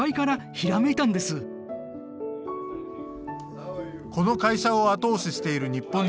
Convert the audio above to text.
この会社を後押ししている日本人がいます。